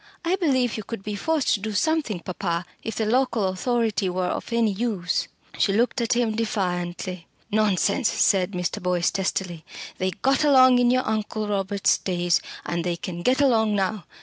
I believe you could be forced to do something, papa if the local authority were of any use." She looked at him defiantly. "Nonsense," said Mr. Boyce testily. "They got along in your Uncle Robert's days, and they can get along now.